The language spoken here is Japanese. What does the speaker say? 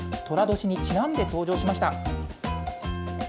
とら年にちなんで登場しました。